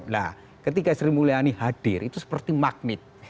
nah ketika sri mulyani hadir itu seperti magnet